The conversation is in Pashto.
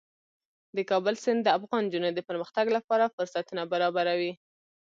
د کابل سیند د افغان نجونو د پرمختګ لپاره فرصتونه برابروي.